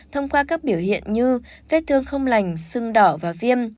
thông qua các biểu hiện như vết thương không lành sưng đỏ và viêm